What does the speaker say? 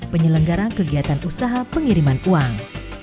penyelenggara kegiatan usaha pengiriman uang